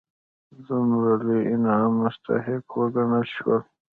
دومره لوی انعام مستحق وګڼل شول.